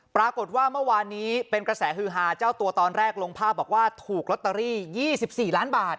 ปรากฏว่าเมื่อวานนี้เป็นกระแสฮือฮาเจ้าตัวตอนแรกลงภาพบอกว่าถูกลอตเตอรี่๒๔ล้านบาท